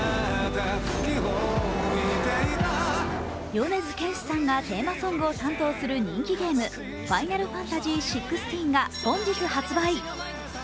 米津玄師さんがテーマソングを担当する人気ゲーム「ファイナルファンタジーＸＶＩ」が本日発売。